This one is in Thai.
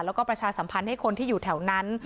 แล้วก็ประชาสัมพันธ์ให้คนที่อยู่แถวนั้น